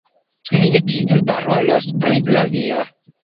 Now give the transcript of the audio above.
Mi ne tiel parolos pri la via.